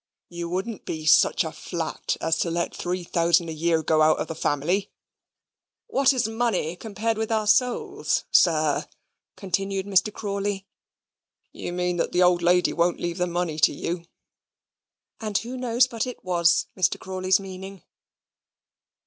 "You wouldn't be such a flat as to let three thousand a year go out of the family?" "What is money compared to our souls, sir?" continued Mr. Crawley. "You mean that the old lady won't leave the money to you?" and who knows but it was Mr. Crawley's meaning?